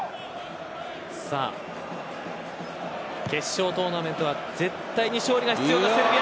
決勝トーナメントは絶対に勝利が必要なセルビア。